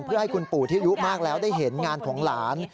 เพื่อให้คุณปู่ที่อายุมากแล้วได้เห็นงานของหลาน